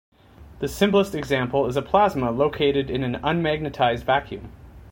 The simplest example is a plasma localized in an unmagnetized vacuum.